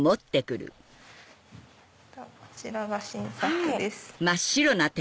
こちらが新作です。